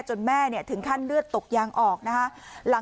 แม่ถึงขั้นเลือดตกยางออกนะคะ